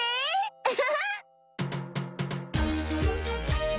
ウフフ！